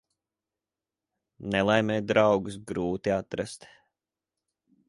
Nelaimē draugus grūti atrast.